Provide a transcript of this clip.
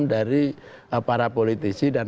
dari para politisi dan